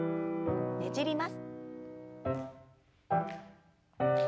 ねじります。